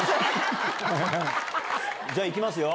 じゃあ、いきますよ。